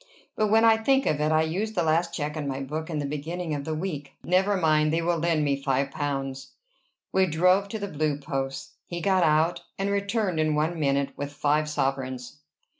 But when I think of it, I used the last check in my book in the beginning of the week. Never mind; they will lend me five pounds." We drove to the Blue Posts. He got out, and returned in one minute with five sovereigns.